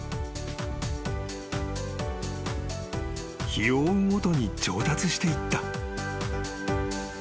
［日を追うごとに上達していった］